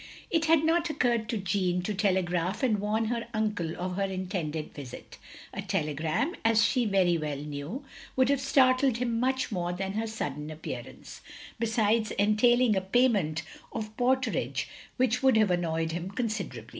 It had not occurred to Jeanne to telegraph and warn her uncle of her intended visit; a tele gram, as she very weU knew, would have startled him much more than her sudden appearance; besides entailing a payment of porterage which would have annoyed him considerably.